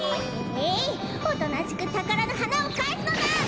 ええいおとなしくたからのはなをかえすのだ。